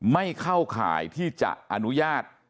ไม่เข้าข่ายที่จะอนุญาต